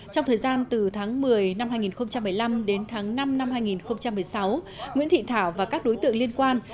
trong thời gian từ tháng một mươi năm hai nghìn một mươi năm đến tháng năm năm hai nghìn một mươi sáu nguyễn thị thảo và các đối tượng liên quan